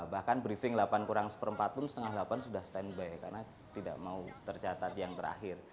bahkan briefing delapan kurang seperempat pun setengah delapan sudah standby karena tidak mau tercatat yang terakhir